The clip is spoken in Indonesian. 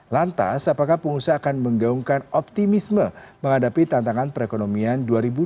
lantas apakah pengusaha akan menggaungkan optimisme menghadapi tantangan perekonomian dua ribu dua puluh